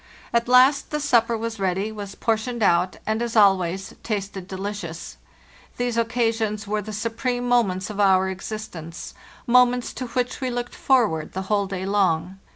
At last the supper was ready, was portioned out, and, as always, tasted delicious. These occasions were the su preme moments of our existence—moments to which we looked forward the whole day long.